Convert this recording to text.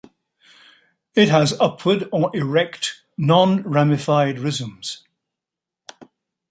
It has upward or erect, non-ramified rhizomes.